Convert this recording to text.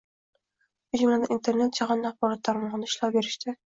shu jumladan Internet jahon axborot tarmog‘ida ishlov berishda